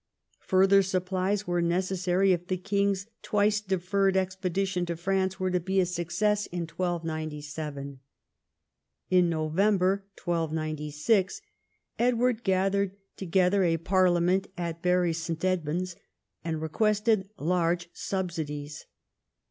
Further supplies were necessary if the king's twice deferred expedition to France were to be a success in 1297. In November 1296 Edward gathered together a parliament at Bury St. Edmunds, and requested large subsidies.